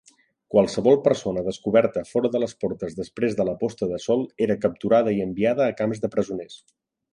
Qualsevol persona descoberta fora de les portes després de la posta de sol era capturada i enviada a camps de presoners.